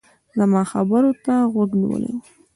زما خبرو ته غوږ نيولی و.